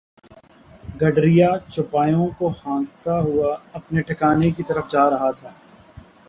گڈریا چوپایوں کو ہانکتا ہوا اپنے ٹھکانے کی طرف جا رہا تھا